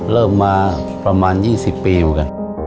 เริ่มมาประมาณ๒๐ปีเหมือนกัน